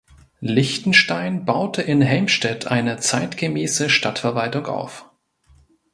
Lichtenstein baute in Helmstedt eine zeitgemäße Stadtverwaltung auf.